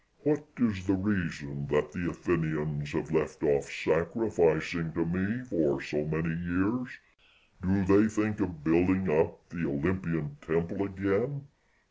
what is the reason that the Athenians have left off sacrificing to me for so many years? do they think of building up the Olympian temple again?